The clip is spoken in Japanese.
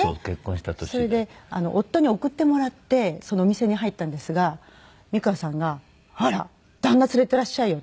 それで夫に送ってもらってそのお店に入ったんですが美川さんが「あら旦那連れていらっしゃいよ」って。